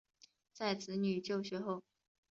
在子女就学后